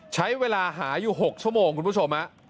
ใช้เวลาหาอยู่๖ชั่วโมงคุณผู้ชม